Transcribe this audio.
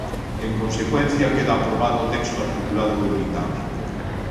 En consecuencia, queda aprobado o texto articulado do ditame.